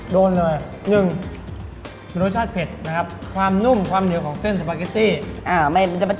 โดนเลย๑รสชาติเผ็ดนะครับความนุ่มความเหนียวของเส้นสปาเกตซี่